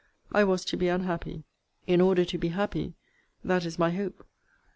I was to be unhappy in order to be happy; that is my hope!